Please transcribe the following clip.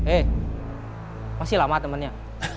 eh masih lama temennya